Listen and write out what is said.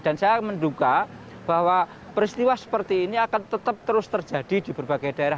dan saya menduga bahwa peristiwa seperti ini akan tetap terus terjadi di berbagai daerah